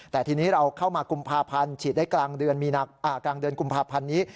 แต่ทีนี้เราเข้ามากุมภาพันธ์ฉีดได้กลางเดือนกุมภาพันธ์นี้